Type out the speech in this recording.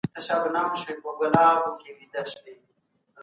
انسان بايد د کايناتو ساتونکی اوسي.